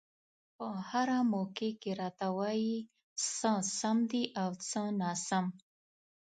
په هره موقع کې راته وايي څه سم دي او څه ناسم.